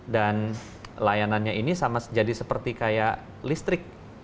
dan layanannya ini sama jadi seperti kayak listrik